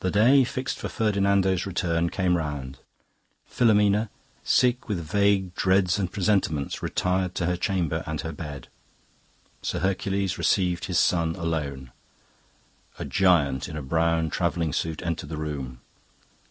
"The day fixed for Ferdinando's return came round. Filomena, sick with vague dreads and presentiments, retired to her chamber and her bed. Sir Hercules received his son alone. A giant in a brown travelling suit entered the room.